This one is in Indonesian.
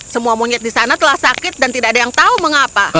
semua monyet di sana telah sakit dan tidak ada yang tahu mengapa